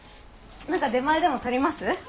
何か出前でも取ります？